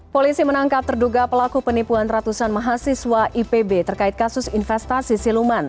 polisi menangkap terduga pelaku penipuan ratusan mahasiswa ipb terkait kasus investasi siluman